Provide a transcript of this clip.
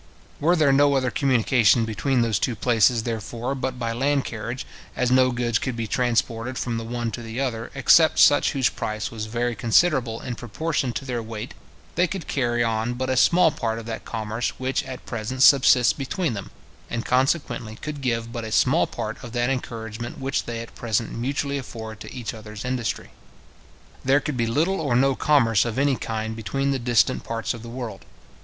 Were there no other communication between those two places, therefore, but by land carriage, as no goods could be transported from the one to the other, except such whose price was very considerable in proportion to their weight, they could carry on but a small part of that commerce which at present subsists between them, and consequently could give but a small part of that encouragement which they at present mutually afford to each other's industry. There could be little or no commerce of any kind between the distant parts of the world.